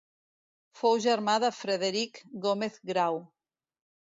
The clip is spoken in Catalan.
Fou germà de Frederic Gómez Grau.